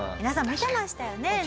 皆さん見てましたよね？